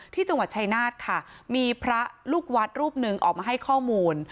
ที่จังหวัดชายนาฏค่ะมีพระลูกวัดรูปหนึ่งออกมาให้ข้อมูล